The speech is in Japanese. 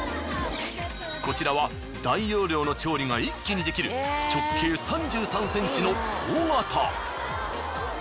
こちらは大容量の調理が一気にできる直径３３ｃｍの大型。